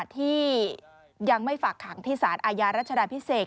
ที่ยังไม่ฝากขังที่สารอาญารัชดาพิเศษ